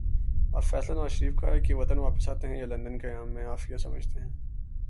اب فیصلہ نوازشریف کا ہے کہ وطن واپس آتے ہیں یا لندن قیام میں عافیت سمجھتے ہیں۔